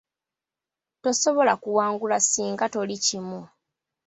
Tusobola kuwangula singa tuli kimu.